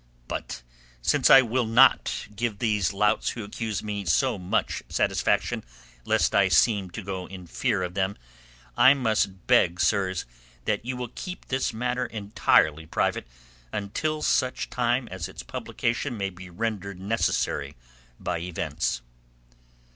"But since I will not give these louts who accuse me so much satisfaction, lest I seem to go in fear of them, I must beg, sirs, that you will keep this matter entirely private until such time as its publication may be rendered necessary by events."